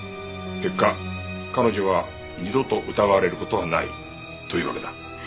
結果彼女は二度と疑われる事はないというわけだ。